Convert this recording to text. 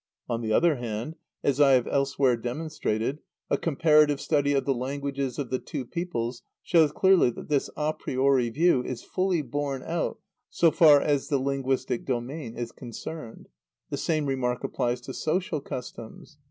On the other hand, as I have elsewhere demonstrated, a comparative study of the languages of the two peoples shows clearly that this a priori view is fully borne out so far as far as the linguistic domain is concerned. The same remark applies to social customs.